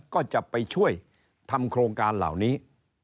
ก็จะไปช่วยทำโครงการเหล่านี้